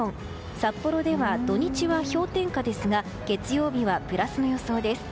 札幌では土日は氷点下ですが月曜日はプラスの予想です。